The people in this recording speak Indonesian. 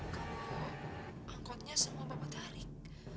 kalau angkotnya semua bapak tarik